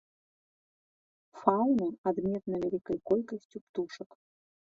Фаўна адметна вялікай колькасцю птушак.